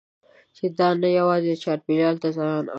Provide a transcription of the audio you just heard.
چې دا نه یوازې چاپېریال ته زیان اړوي.